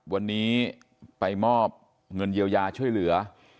วันนี้ไปมอบเงินเยียวยาช่วยเหลือ